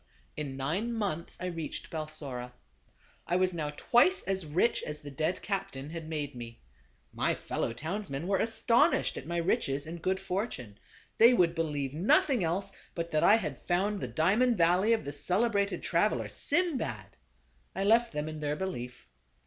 In nine months I reached Balsora. I was now twice as rich as the dead captain had made me. My fellow townsmen were aston ished at my riches and good fortune. They would believe noth ing else but that I had found the diamond valley " of the celebrated traveler Sinbad. I left them in their belief.